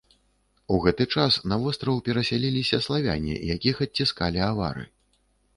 У гэты час на востраў перасяляліся славяне, якіх адціскалі авары.